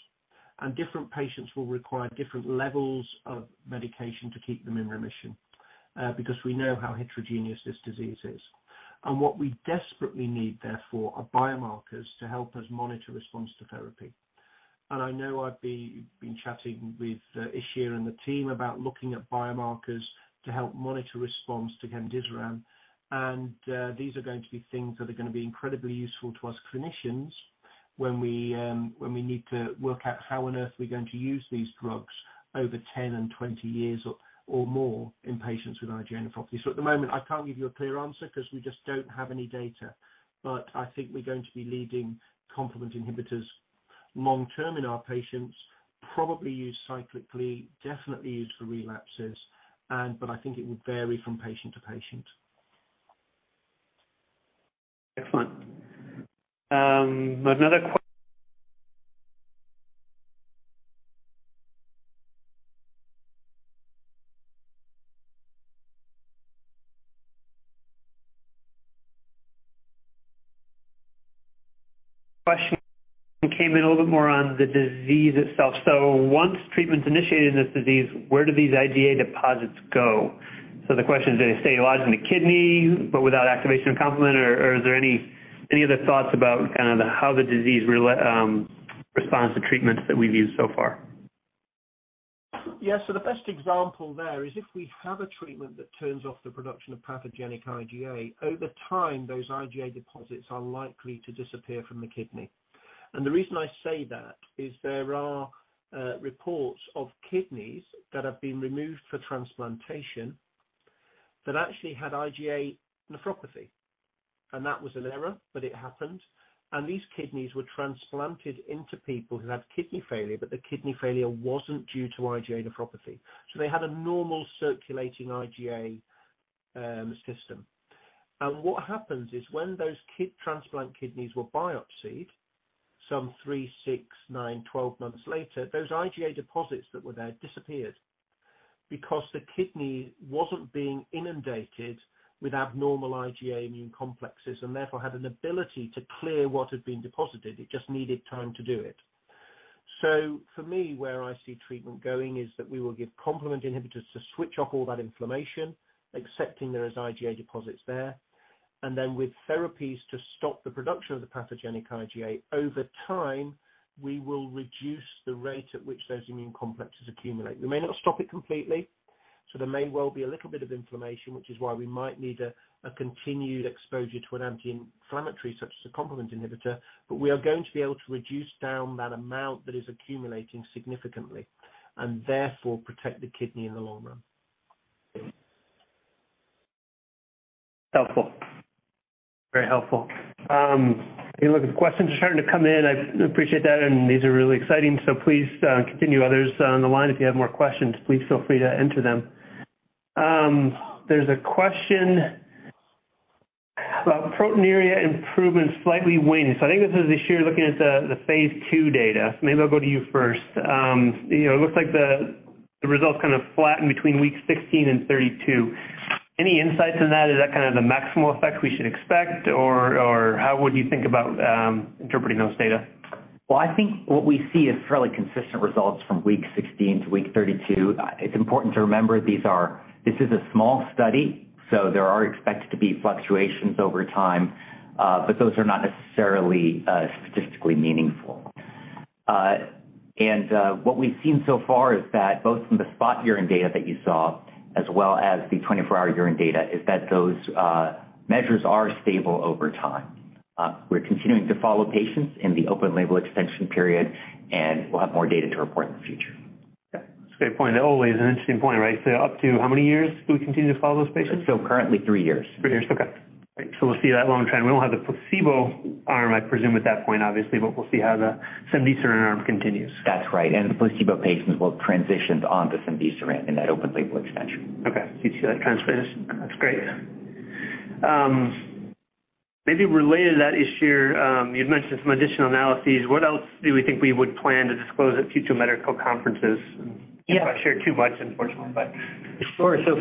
And different patients will require different levels of medication to keep them in remission because we know how heterogeneous this disease is. And what we desperately need, therefore, are biomarkers to help us monitor response to therapy. And I know I've been chatting with Ishir and the team about looking at biomarkers to help monitor response to cemdisiran. And these are going to be things that are going to be incredibly useful to us clinicians when we need to work out how on earth we're going to use these drugs over 10 and 20 years or more in patients with IgA nephropathy. So at the moment, I can't give you a clear answer because we just don't have any data. But I think we're going to be leading complement inhibitors long term in our patients, probably used cyclically, definitely used for relapses. I think it would vary from patient to patient. Excellent. Another question. Question came in a little bit more on the disease itself. So once treatment's initiated in this disease, where do these IgA deposits go? So the question is, do they stay lodged in the kidney but without activation of complement? Or is there any other thoughts about kind of how the disease responds to treatments that we've used so far? Yeah. So the best example there is if we have a treatment that turns off the production of pathogenic IgA, over time, those IgA deposits are likely to disappear from the kidney. And the reason I say that is there are reports of kidneys that have been removed for transplantation that actually had IgA nephropathy. And that was an error, but it happened. And these kidneys were transplanted into people who had kidney failure, but the kidney failure wasn't due to IgA nephropathy. So they had a normal circulating IgA system. And what happens is when those transplant kidneys were biopsied some three, six, nine, 12 months later, those IgA deposits that were there disappeared because the kidney wasn't being inundated with abnormal IgA immune complexes and therefore had an ability to clear what had been deposited. It just needed time to do it. So for me, where I see treatment going is that we will give complement inhibitors to switch off all that inflammation, accepting there are IgA deposits there. And then with therapies to stop the production of the pathogenic IgA, over time, we will reduce the rate at which those immune complexes accumulate. We may not stop it completely. So there may well be a little bit of inflammation, which is why we might need a continued exposure to an anti-inflammatory such as a complement inhibitor. But we are going to be able to reduce down that amount that is accumulating significantly and therefore protect the kidney in the long run. Helpful. Very helpful. Any other questions? Just starting to come in. I appreciate that. And these are really exciting. So please continue others on the line. If you have more questions, please feel free to enter them. There's a question about proteinuria improvement slightly waning. So I think this is Ishir looking at the phase II data. So maybe I'll go to you first. It looks like the results kind of flattened between week 16 and 32. Any insights on that? Is that kind of the maximal effect we should expect? Or how would you think about interpreting those data? I think what we see is fairly consistent results from week 16 to week 32. It's important to remember this is a small study. There are expected to be fluctuations over time, but those are not necessarily statistically meaningful. What we've seen so far is that both from the spot urine data that you saw as well as the 24-hour urine data is that those measures are stable over time. We're continuing to follow patients in the open-label extension period, and we'll have more data to report in the future. That's a great point. That always is an interesting point, right? So up to how many years do we continue to follow those patients? Currently, three years. Three years. Okay. So we'll see that long trend. We won't have the placebo arm, I presume, at that point, obviously, but we'll see how the cemdisiran arm continues. That's right, and the placebo patients will transition onto cemdisiran in that open-label extension. Okay. So you'd see that transition. That's great. Maybe related to that, Ishir, you'd mentioned some additional analyses. What else do we think we would plan to disclose at future medical conferences? If I share too much, unfortunately, but. Sure. So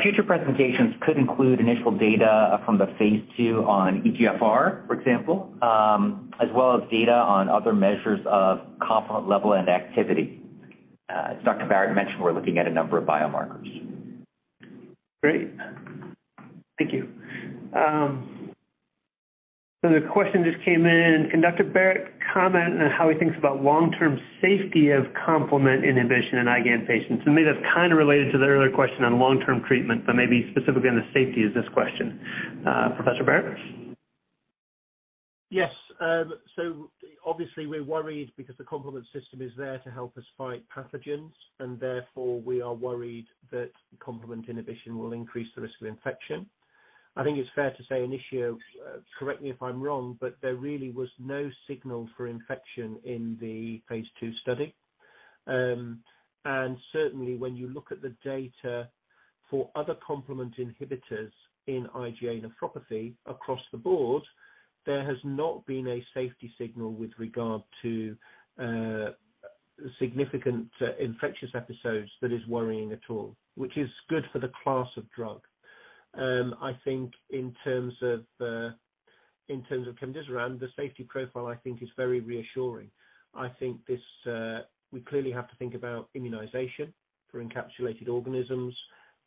future presentations could include initial data from the phase II on eGFR, for example, as well as data on other measures of complement level and activity. Dr. Barratt mentioned we're looking at a number of biomarkers. Great. Thank you. So the question just came in. Dr. Barratt commented on how he thinks about long-term safety of complement inhibition in IgA patients. And maybe that's kind of related to the earlier question on long-term treatment, but maybe specifically on the safety of this question. Professor Barratt? Yes, so obviously, we're worried because the complement system is there to help us fight pathogens. And therefore, we are worried that complement inhibition will increase the risk of infection. I think it's fair to say, and Ishir, correct me if I'm wrong, but there really was no signal for infection in the phase II study, and certainly, when you look at the data for other complement inhibitors in IgA nephropathy across the board, there has not been a safety signal with regard to significant infectious episodes that is worrying at all, which is good for the class of drug. I think in terms of cemdisiran, the safety profile, I think, is very reassuring. I think we clearly have to think about immunization for encapsulated organisms,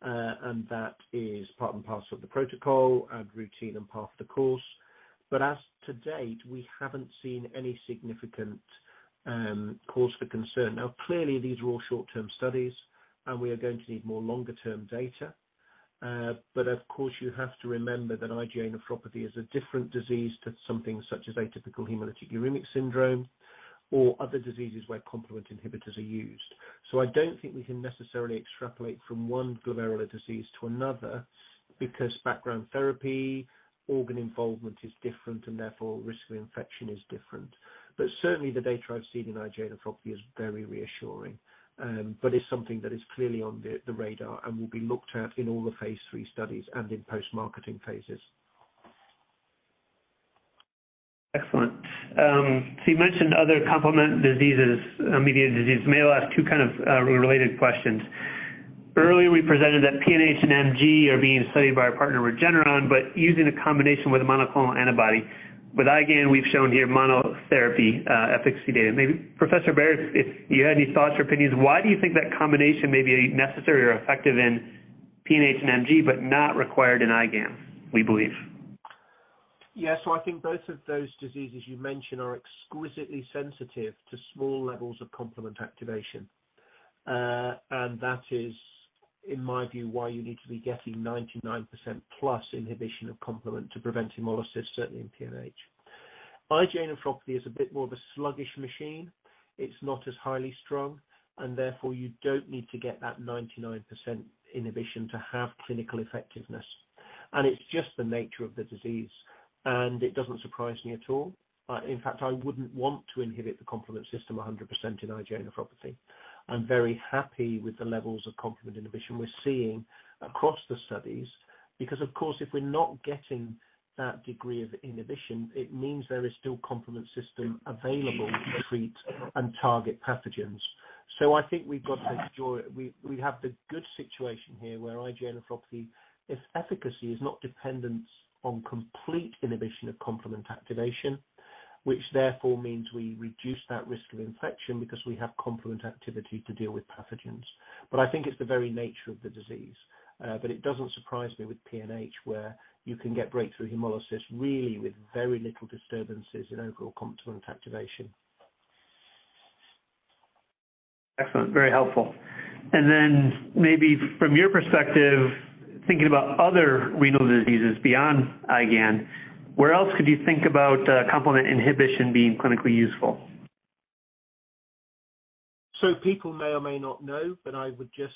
and that is part and parcel of the protocol and routine and part of the course. But to date, we haven't seen any significant cause for concern. Now, clearly, these are all short-term studies, and we are going to need more longer-term data. But of course, you have to remember that IgA nephropathy is a different disease to something such as atypical hemolytic uremic syndrome or other diseases where complement inhibitors are used. So I don't think we can necessarily extrapolate from one glomerular disease to another because background therapy, organ involvement is different, and therefore risk of infection is different. But certainly, the data I've seen in IgA nephropathy is very reassuring, but it's something that is clearly on the radar and will be looked at in all the phase III studies and in post-marketing phases. Excellent. So you mentioned other complement diseases, immune diseases. Maybe I'll ask two kind of related questions. Earlier, we presented that PNH and MG are being studied by our partner, Regeneron, but using a combination with a monoclonal antibody. With IgAN, we've shown here monotherapy efficacy data. Maybe, Professor Barratt, if you had any thoughts or opinions, why do you think that combination may be necessary or effective in PNH and MG but not required in IgAN, we believe? Yeah. So I think both of those diseases you mentioned are exquisitely sensitive to small levels of complement activation. And that is, in my view, why you need to be getting 99% plus inhibition of complement to prevent hemolysis, certainly in PNH. IgA nephropathy is a bit more of a sluggish machine. It's not as highly strong. And therefore, you don't need to get that 99% inhibition to have clinical effectiveness. And it's just the nature of the disease. And it doesn't surprise me at all. In fact, I wouldn't want to inhibit the complement system 100% in IgA nephropathy. I'm very happy with the levels of complement inhibition we're seeing across the studies because, of course, if we're not getting that degree of inhibition, it means there is still complement system available to treat and target pathogens. So I think we've got to ensure we have the good situation here where IgA nephropathy, its efficacy is not dependent on complete inhibition of complement activation, which therefore means we reduce that risk of infection because we have complement activity to deal with pathogens. But I think it's the very nature of the disease. But it doesn't surprise me with PNH where you can get breakthrough hemolysis really with very little disturbances in overall complement activation. Excellent. Very helpful. And then maybe from your perspective, thinking about other renal diseases beyond IgAN, where else could you think about complement inhibition being clinically useful? So people may or may not know, but I would just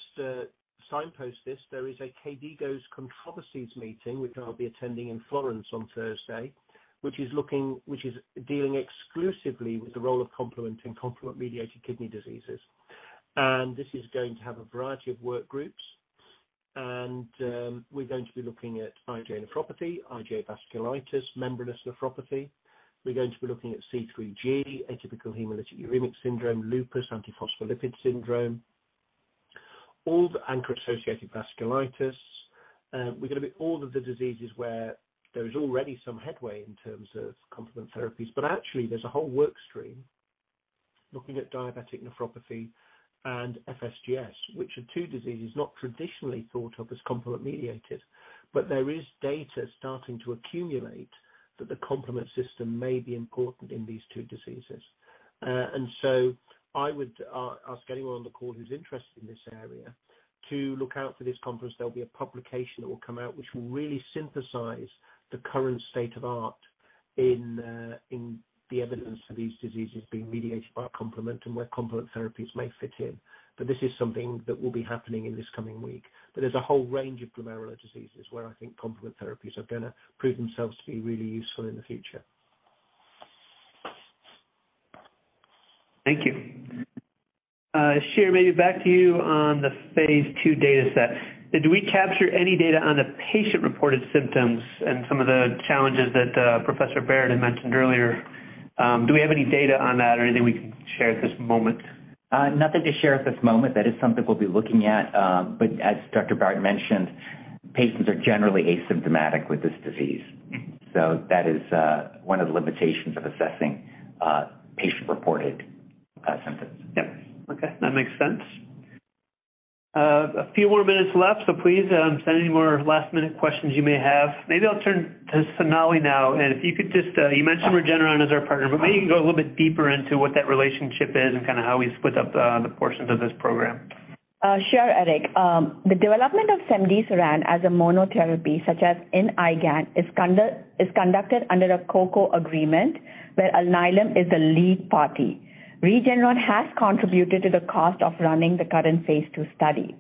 signpost this. There is a KDIGO's controversies meeting, which I'll be attending in Florence on Thursday, which is dealing exclusively with the role of complement in complement-mediated kidney diseases. And this is going to have a variety of work groups. And we're going to be looking at IgA nephropathy, IgA vasculitis, membranous nephropathy. We're going to be looking at C3G, atypical hemolytic uremic syndrome, lupus, antiphospholipid syndrome, all the ANCA-associated vasculitis. We're going to be looking at all of the diseases where there is already some headway in terms of complement therapies. But actually, there's a whole workstream looking at diabetic nephropathy and FSGS, which are two diseases not traditionally thought of as complement-mediated. But there is data starting to accumulate that the complement system may be important in these two diseases. So I would ask anyone on the call who's interested in this area to look out for this conference. There'll be a publication that will come out, which will really synthesize the current state of the art in the evidence for these diseases being mediated by complement and where complement therapies may fit in. But this is something that will be happening in this coming week. But there's a whole range of glomerular diseases where I think complement therapies are going to prove themselves to be really useful in the future. Thank you. Ishir, maybe back to you on the phase II data set. Did we capture any data on the patient-reported symptoms and some of the challenges that Professor Barratt had mentioned earlier? Do we have any data on that or anything we can share at this moment? Nothing to share at this moment. That is something we'll be looking at. But as Dr. Barratt mentioned, patients are generally asymptomatic with this disease. So that is one of the limitations of assessing patient-reported symptoms. Yep. Okay. That makes sense. A few more minutes left, so please send any more last-minute questions you may have. Maybe I'll turn to Sonalee now. And if you could just, you mentioned Regeneron as our partner, but maybe you can go a little bit deeper into what that relationship is and kind of how we split up the portions of this program? Sure, Eric. The development of cemdisiran as a monotherapy, such as in IgAN, is conducted under a Co-Co agreement where Alnylam is the lead party. Regeneron has contributed to the cost of running the current phase II study.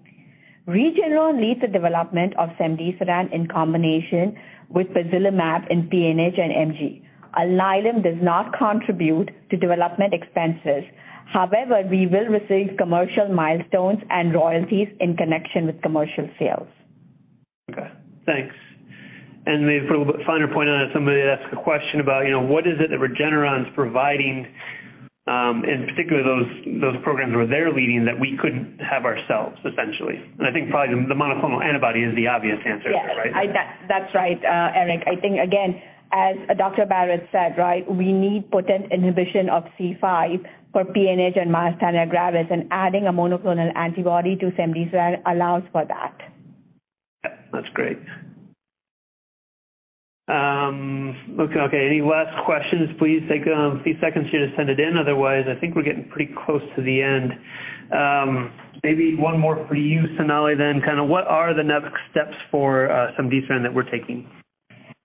Regeneron leads the development of cemdisiran in combination with pozelimab in PNH and MG. Alnylam does not contribute to development expenses. However, we will receive commercial milestones and royalties in connection with commercial sales. Okay. Thanks. And maybe for a little bit finer point on it, somebody asked a question about what is it that Regeneron's providing, in particular those programs where they're leading, that we couldn't have ourselves, essentially? And I think probably the monoclonal antibody is the obvious answer, right? Yes. That's right, Eric. I think, again, as Dr. Barratt said, right, we need potent inhibition of C5 for PNH and myasthenia gravis, and adding a monoclonal antibody to cemdisiran allows for that. That's great. Okay. Any last questions? Please take a few seconds here to send it in. Otherwise, I think we're getting pretty close to the end. Maybe one more for you, Sonalee, then. Kind of what are the next steps for cemdisiran that we're taking?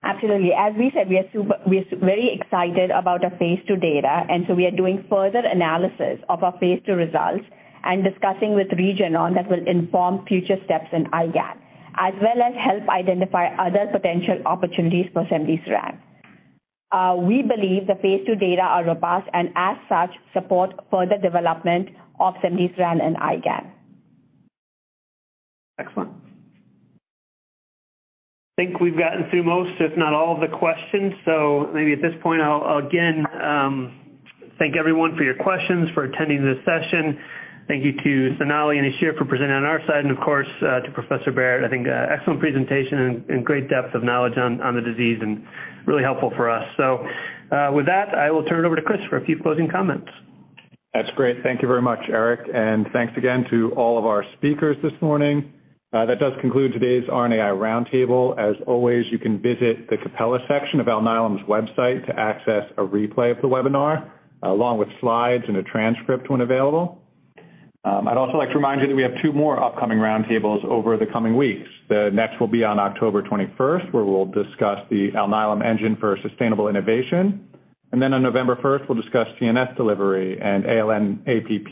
Absolutely. As we said, we are very excited about the phase II data, and so we are doing further analysis of our phase II results and discussing with Regeneron that will inform future steps in IgAN, as well as help identify other potential opportunities for cemdisiran. We believe the phase II data are robust and, as such, support further development of cemdisiran in IgAN. Excellent. I think we've gotten through most, if not all, of the questions, so maybe at this point, I'll again thank everyone for your questions, for attending this session. Thank you to Sonalee and Ishir for presenting on our side, and of course, to Professor Barratt. I think excellent presentation and great depth of knowledge on the disease and really helpful for us, so with that, I will turn it over to Chris for a few closing comments. That's great. Thank you very much, Eric. And thanks again to all of our speakers this morning. That does conclude today's RNAi roundtable. As always, you can visit the Capella section of Alnylam's website to access a replay of the webinar along with slides and a transcript when available. I'd also like to remind you that we have two more upcoming roundtables over the coming weeks. The next will be on October 21st, where we'll discuss the Alnylam Engine for Sustainable Innovation. And then on November 1st, we'll discuss CNS delivery and ALN-APP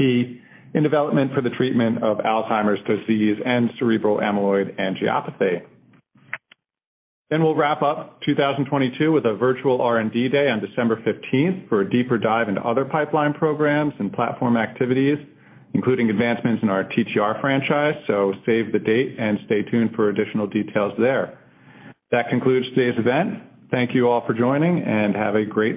in development for the treatment of Alzheimer's disease and cerebral amyloid angiopathy. Then we'll wrap up 2022 with a virtual R&D day on December 15th for a deeper dive into other pipeline programs and platform activities, including advancements in our TTR franchise. So save the date and stay tuned for additional details there. That concludes today's event. Thank you all for joining, and have a great.